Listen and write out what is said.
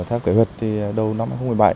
tháp kế hoạch đầu năm hai nghìn một mươi bảy